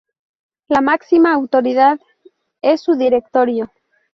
La máxima autoridad es su Directorio.